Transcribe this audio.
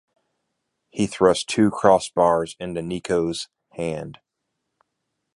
He thrust two cross bars into Nico’s hand.